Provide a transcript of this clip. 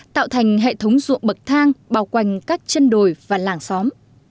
tạo thành hệ thống ruộng bậc thang bao quanh các chân đồi và làng xóm